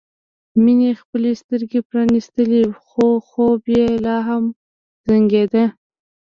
مينې خپلې سترګې پرانيستلې خو خوب یې لا هم زنګېده